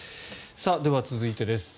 では、続いてです。